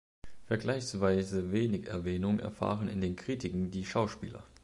Vergleichsweise wenig Erwähnung erfahren in den Kritiken die Schauspieler.